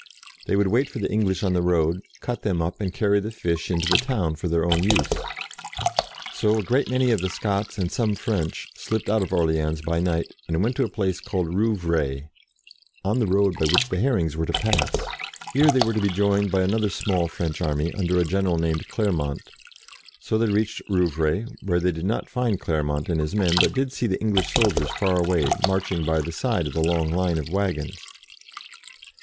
They would wait for the English on the road, cut them up, and carry the fish into the town for their own use. So a great many of the Scots and some NEWS HEARD STRANGELY 23 French slipped out of Orleans by night, and went to a place called Rouvray, on the road by which the herrings were to pass. Here they were to be joined by another small French army, under a general named Clermont. So they reached Rou vray, where they did not find Clermont and his men, but did see the English soldiers far away, marching by the side of the long line of waggons.